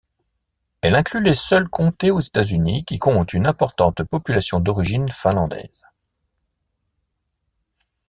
Elle inclut les seuls comtés aux États-Unis qui comptent une importante population d'origine finlandaise.